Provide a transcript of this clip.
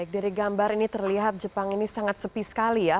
dari gambar ini terlihat jepang ini sangat sepi sekali ya